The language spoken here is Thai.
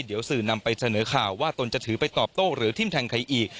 เดี๋ยวสื่อนำไปเสนอข่าวว่าตนจะถือไปตอบโต้หรือทิ้มแทงใครอีก